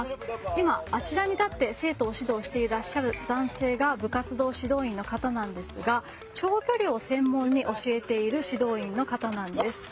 今あちらに立って指導をしてらっしゃる男性が部活動指導員の方なんですが長距離を専門に教えている指導員の方なんです。